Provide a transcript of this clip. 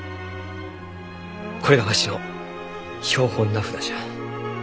これがわしの標本名札じゃ。